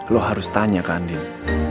lo harus tanya ke andin